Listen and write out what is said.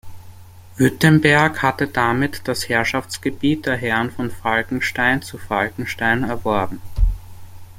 Württemberg hatte damit das Herrschaftsgebiet der Herren von Falkenstein zu Falkenstein erworben.